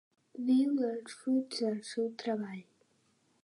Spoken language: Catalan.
Viu dels fruits del seu treball.